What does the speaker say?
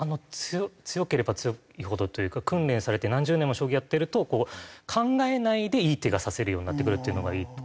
強ければ強いほどというか訓練されて何十年も将棋やってると考えないでいい手が指せるようになってくるというのが。